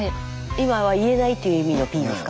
今は言えないという意味のピーですか？